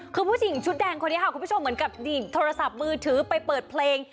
คือผู้หญิงชุดแดงคนนี้ค่ะคุณผู้ชมเหมือนกับโทรศัพท์มือถือไปเปิดเพลง